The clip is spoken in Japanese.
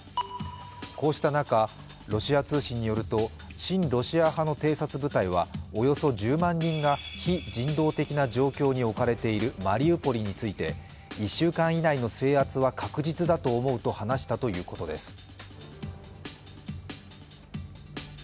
こうした中、ロシア通信によると親ロシア派の偵察部隊はおよそ１０万人が非人道的な状況に置かれているマリウポリについて、２週間以内の制圧は確実だと思うと話したということです。